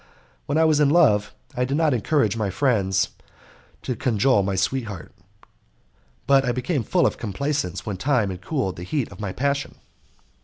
When I was in love I did not encourage my friends to cajole my sweetheart, but I became full of complaisance when time had cooled the heat of my passion.